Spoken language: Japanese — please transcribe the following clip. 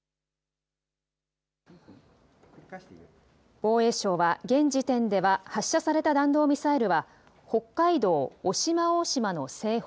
防衛省は現時点では発射された弾道ミサイルは北海道渡島大島の西方